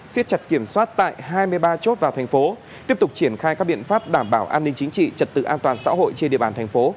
xiết chặt kiểm soát tại hai mươi ba chốt vào thành phố tiếp tục triển khai các biện pháp đảm bảo an ninh chính trị trật tự an toàn xã hội trên địa bàn thành phố